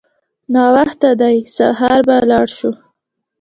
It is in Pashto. ناوخته دی سهار به لاړ شو.